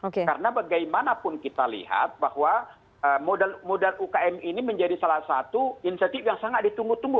karena bagaimanapun kita lihat bahwa modal ukm ini menjadi salah satu insetif yang sangat ditunggu tunggu